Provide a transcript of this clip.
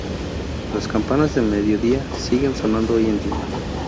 Las campanas de mediodía siguen sonando hoy en día.